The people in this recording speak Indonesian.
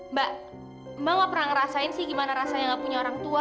mbak mbak nggak pernah ngerasain sih gimana rasanya nggak punya orang tua